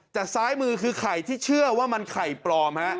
แต่ซ้ายมือคือไข่ที่เชื่อว่ามันไข่ปลอมฮะ